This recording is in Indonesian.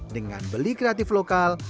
dengan beli kreatif lokal